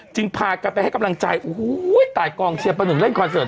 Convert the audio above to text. พากันไปให้กำลังใจโอ้โหตายกองเชียร์ประหนึ่งเล่นคอนเสิร์